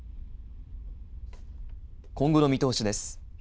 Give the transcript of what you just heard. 今後の見通しです。